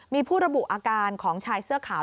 มีผู้ระบุอาการของชายเสื้อขาว